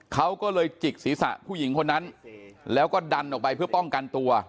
เขาก็เลยจิกศีรษะผู้หญิงคนนั้นแล้วก็ดันออกไปเพื่อป้องกันตัว